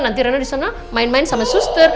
nanti reina disana main main sama suster